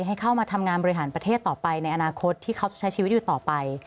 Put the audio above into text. ให้เข้ามาทำงานบริหารประเทศต่อไปในอนาคตที่เขาใช้ชีวิตอยู่ต่อไป